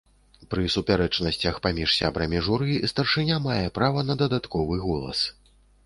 Пры супярэчнасцях паміж сябрамі журы старшыня мае права на дадатковы голас.